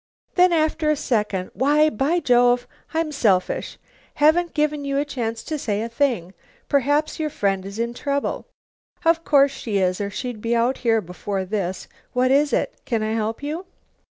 Then after a second, "Why, by Jove! I'm selfish. Haven't given you a chance to say a thing. Perhaps your friend's in trouble. Of course she is, or she'd be out here before this. What is it? Can I help you?"